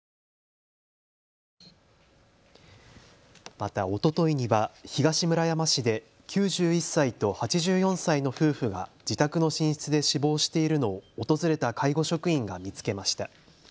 また、おとといには東村山市で９１歳と８４歳の夫婦が自宅の寝室で死亡しているのを訪れた介護職員が見つけました。